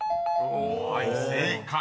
［はい正解。